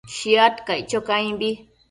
Shiad caic cho caimbi